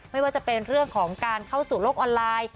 ไม่ว่าจะเป็นเรื่องของการเข้าสู่โลกออนไลน์